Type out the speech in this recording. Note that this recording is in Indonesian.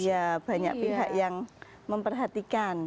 ya banyak pihak yang memperhatikan